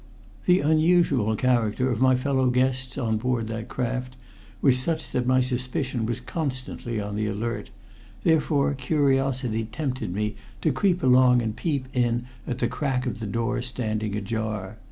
"The unusual character of my fellow guests on board that craft was such that my suspicion was constantly on the alert, therefore curiosity tempted me to creep along and peep in at the crack of the door standing ajar.